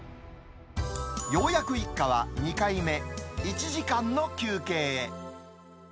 ようやく一家は２回目、１時間の休憩へ。